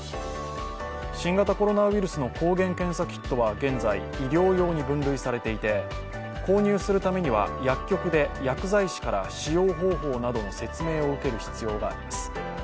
新型コロナウイルスの抗原検査キットは現在医療用に分類されていて、購入するためには薬局で薬剤師から使用方法などの説明を受ける必要があります。